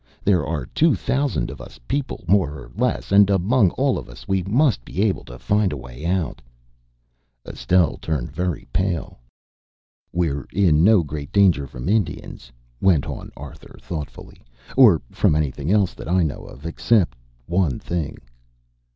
There are two thousand of us people, more or less, and among all of us we must be able to find a way out." Estelle had turned very pale. "We're in no great danger from Indians," went on Arthur thoughtfully, "or from anything else that I know of except one thing."